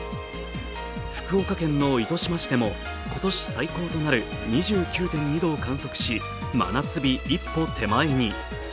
福岡県の糸島市でも今年最高となる２９．２度を観測し、真夏日一歩手前に。